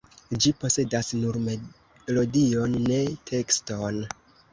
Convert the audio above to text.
Ĝi posedas nur melodion, ne tekston.